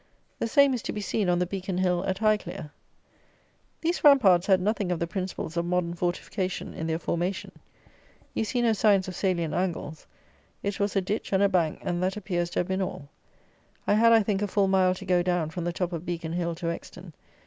The same is to be seen on the Beacon Hill at Highclere. These ramparts had nothing of the principles of modern fortification in their formation. You see no signs of salliant angles. It was a ditch and a bank, and that appears to have been all. I had, I think, a full mile to go down from the top of Beacon Hill to Exton.